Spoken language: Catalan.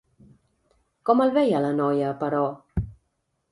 Com el veia la noia, però?